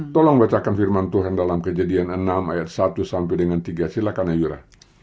tolong bacakan firman tuhan dalam kejadian enam ayat satu sampai dengan tiga silakan ayora